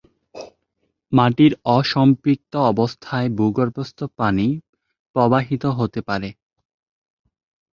মাটির অসম্পৃক্তাবস্থায় ভূগর্ভস্থ পানি প্রবাহিত হতে পারে।